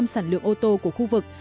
sản lượng ô tô của khu vực